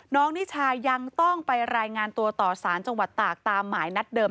นิชายังต้องไปรายงานตัวต่อสารจังหวัดตากตามหมายนัดเดิม